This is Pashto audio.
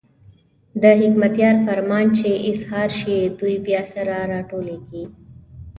د حکمتیار فرمان چې اظهار شي، دوی بیا سره راټولېږي.